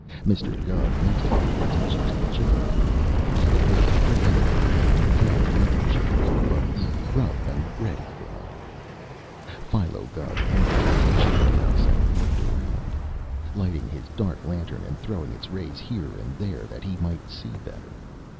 Mr. Gubb next gave his attention to the chicken coop. It was preëminently a hand made chicken coop of the rough and ready variety. Philo Gubb entered the chicken house and looked around, lighting his dark lantern and throwing its rays here and there that he might see better.